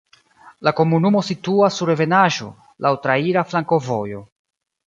La komunumo situas sur ebenaĵo, laŭ traira flankovojo.